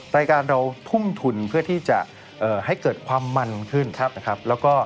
รายการเราทุ่มทุนเพื่อที่จะให้เกิดความมันขึ้นนะครับ